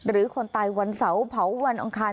หรือคนตายวันเสาเผาวันองคาร